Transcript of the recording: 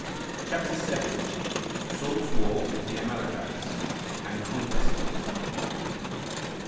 CHAPTER 7. Saul's War With The Amalekites, And Conquest Of Them.